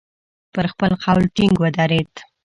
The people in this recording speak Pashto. پر خپل قول ټینګ ودرېد.